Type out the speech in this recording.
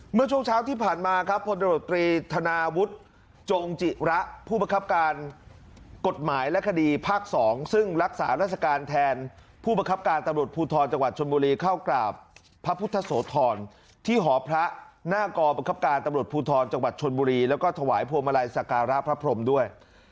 เมื่อช่วงเช้าที่ผ่านมาครับพลตรวจตรีธนาวุฒิจงจิระผู้บังคับการกฎหมายและคดีภาค๒ซึ่งรักษาราชการแทนผู้บังคับการตำรวจภูทรจังหวัดชนบุรีเข้ากราบพระพุทธโสธรที่หอพระหน้ากรบังคับการตำรวจภูทรจังหวัดชนบุรีแล้วก็ถวายพวงมาลัยสการะพระพรมด้วย